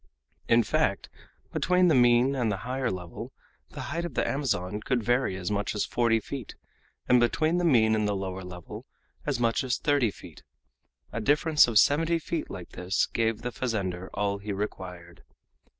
In fact, between the mean and the higher level the height of the Amazon could vary as much as forty feet, and between the mean and the lower level as much as thirty feet. A difference of seventy feet like this gave the fazender all he required.